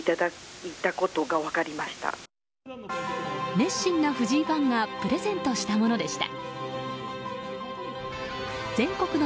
熱心な藤井ファンがプレゼントしたものでした。